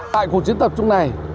tại cuộc chiến tập trong này